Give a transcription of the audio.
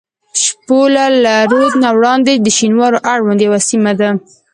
شپوله له رود نه وړاندې د شینوارو اړوند یوه سیمه ده.